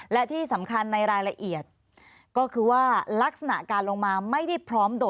และที่สำคัญในรายละเอียดก็คือว่าลักษณะการลงมาไม่ได้พร้อมโดด